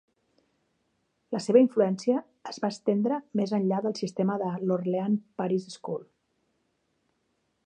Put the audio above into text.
La seva influència es va estendre més enllà del sistema de l'Orleans Parish School.